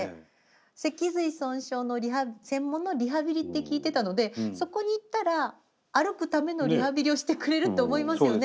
脊髄損傷の専門のリハビリって聞いてたのでそこに行ったら歩くためのリハビリをしてくれるって思いますよね。